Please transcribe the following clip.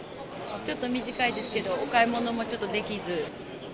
ちょっと短いですけど、お買い物もちょっとできず。